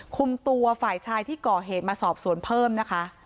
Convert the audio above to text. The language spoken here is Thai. คุมตัวฝ่ายชายที่ก่อเหตุมาสอบสวนเพิ่มนะคะ